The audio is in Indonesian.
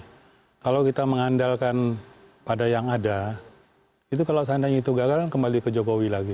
jadi kalau kita mengandalkan pada yang ada itu kalau seandainya itu gagal kembali ke jokowi lagi